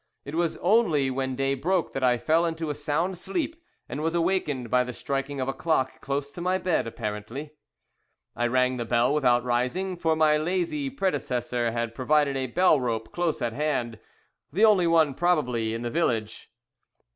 It was only when day broke that I fell into a sound sleep, and was awakened by the striking of a clock, close to my bed, apparently. I rang the bell, without rising, for my lazy predecessor had provided a bell rope close at hand, the only one probably in the village.